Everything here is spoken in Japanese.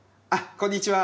こんにちは。